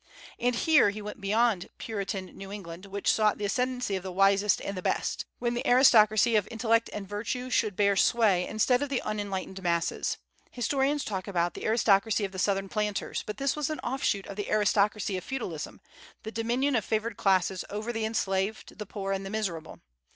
And here he went beyond Puritan New England, which sought the ascendency of the wisest and the best, when the aristocracy of intellect and virtue should bear sway instead of the unenlightened masses. Historians talk about the aristocracy of the Southern planters, but this was an offshoot of the aristocracy of feudalism, the dominion of favored classes over the enslaved, the poor, and the miserable.